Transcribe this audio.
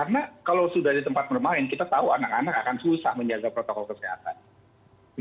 karena kalau sudah di tempat bermain kita tahu anak anak akan susah menjaga protokol kesehatan